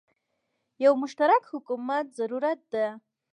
یو مشترک حکومت زوروت ده